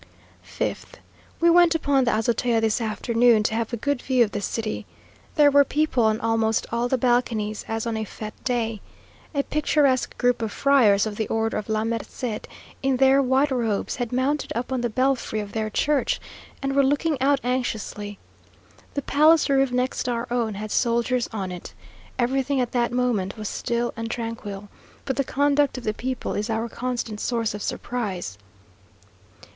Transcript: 5th. We went upon the azotea this afternoon, to have a good view of the city. There were people on almost all the balconies, as on a fête day. A picturesque group of friars of the order of La Merced, in their white robes, had mounted up on the belfry of their church, and were looking out anxiously. The palace roof next our own had soldiers on it. Everything at that moment was still and tranquil; but the conduct of the people is our constant source of surprise.